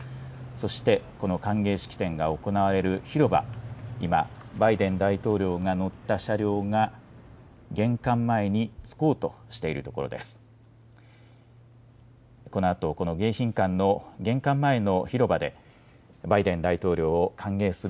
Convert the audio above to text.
そしてこの歓迎式典が行われる広場、今、バイデン大統領が乗った車両が玄関前に着こうとしているところです。